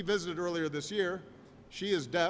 dia mengunjungi ini tahun lalu dia dewa